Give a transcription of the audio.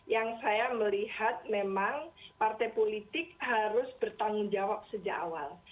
yang saya melihat memang partai politik harus bertanggung jawab sejak awal